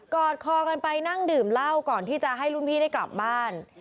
อดคอกันไปนั่งดื่มเหล้าก่อนที่จะให้รุ่นพี่ได้กลับบ้าน